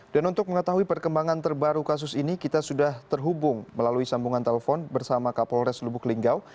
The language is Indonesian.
dan untuk mengetahui perkembangan terbaru kasus ini kita sudah terhubung melalui sambungan telepon bersama kapolres lubuk linggau